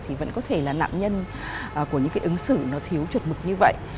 thì vẫn có thể là nạn nhân của những cái ứng xử nó thiếu chuột mực như vậy